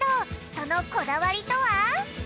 そのこだわりとは？